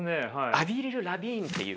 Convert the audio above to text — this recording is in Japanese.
アヴリル・ラヴィーンっていう。